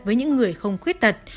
với những người không khuyết tật